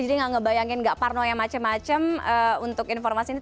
jadi gak ngebayangin gak parno yang macem macem untuk informasi ini